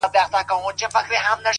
په داسي خوب ویده دی چي راویښ به نه سي،